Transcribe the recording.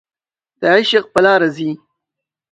د عشق په لاره ځي